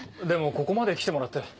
でもここまで来てもらって。